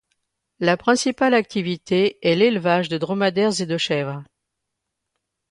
La principale activité est l'élevage de dromadaires et de chèvres.